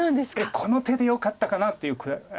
この手でよかったかな？っていう。